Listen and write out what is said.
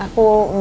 ya ke depan aja